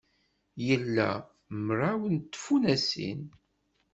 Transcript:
Ila mraw n tfunasin.